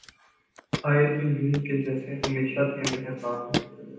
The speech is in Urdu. آئے تو یوں کہ جیسے ہمیشہ تھے مہرباں